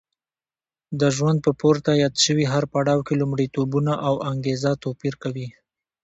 د ژوند په پورته یاد شوي هر پړاو کې لومړیتوبونه او انګېزه توپیر کوي.